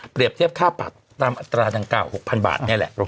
เทียบค่าปรับตามอัตราดังกล่า๖๐๐บาทนี่แหละ